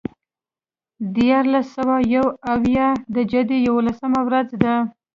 د دیارلس سوه یو اویا د جدې یوولسمه ورځ ده.